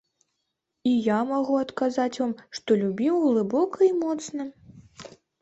І я магу адказаць вам, што любіў глыбока і моцна.